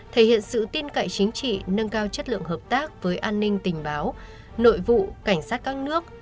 thể hiện sự tin cậy chính trị nâng cao chất lượng hợp tác với an ninh tình báo nội vụ cảnh sát các nước